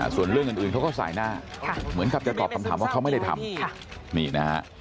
ส่วนเรื่องอื่นเขาก็สายหน้าเหมือนกับจะตอบคำถามว่าเขาไม่ได้ทำนี่นะฮะ